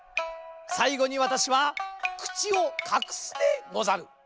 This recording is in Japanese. さいごにわたしはくちをかくすでござる。